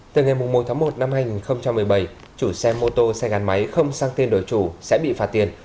từ ngày một tháng một năm hai nghìn một mươi bảy chủ xe mô tô xe gắn máy không sang tên đổi chủ sẽ bị phạt tiền